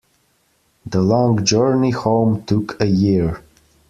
The long journey home took a year.